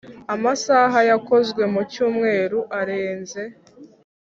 Amasaha yakozwe mu cyumweru arenze